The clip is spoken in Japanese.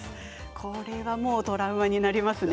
これはトラウマになりますね。